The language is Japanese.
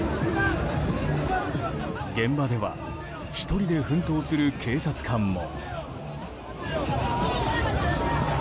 現場では１人で奮闘する警察官も。